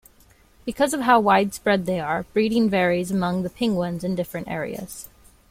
Because of how widespread they are, breeding varies among the penguins in different areas.